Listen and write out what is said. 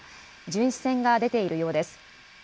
巡視船が出ているようです。